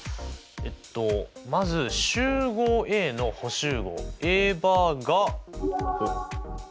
えっとまず集合Ａの補集合Ａバーがこう。